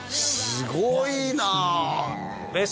すごいな！